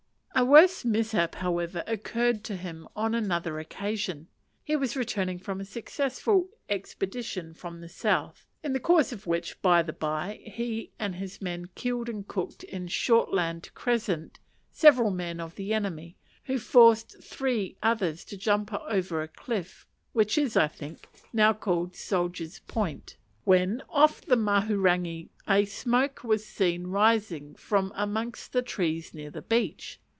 A worse mishap, however, occurred to him on another occasion. He was returning from a successful expedition from the south (in the course of which, by the by, he and his men killed and cooked in Shortland crescent, several men of the enemy, and forced three others to jump over a cliff which is, I think, now called Soldier's point), when off the Mahurangi a smoke was seen rising from amongst the trees near the beach.